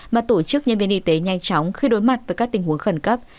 mà tổ chức nhân viên y tế nhanh chóng khi đối mặt với các tình huống khẩn cấp